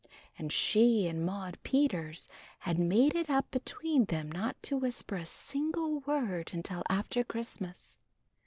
And she and Maudie Peters had made it up between them not to whisper a single word until after Christmas.